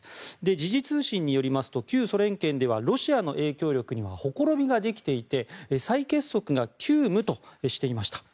時事通信によりますと旧ソ連圏ではロシアの影響力にはほころびができていて再結束が急務としていました。